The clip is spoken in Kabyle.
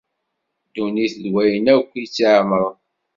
Ddunit d wayen akk i tt-iɛemṛen.